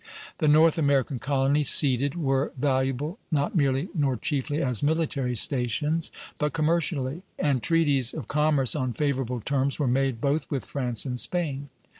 The North American colonies ceded were valuable, not merely nor chiefly as military stations, but commercially; and treaties of commerce on favorable terms were made both with France and Spain.